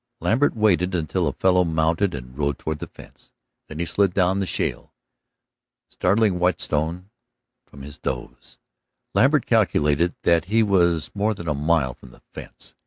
Lambert waited until the fellow mounted and rode toward the fence, then he slid down the shale, starting Whetstone from his doze. Lambert calculated that he was more than a mile from the fence.